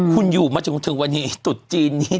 คุณอยู่มาจนถึงวันนี้ตุดจีนนี้